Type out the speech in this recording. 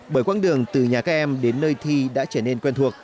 bởi quãng đường từ nhà các em đến nơi thi đã trở nên quen thuộc